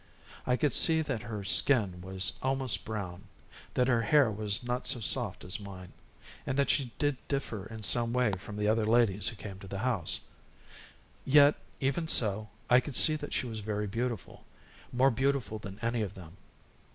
I could see that her skin was almost brown, that her hair was not so soft as mine, and that she did differ in some way from the other ladies who came to the house; yet, even so, I could see that she was very beautiful, more beautiful than any of them.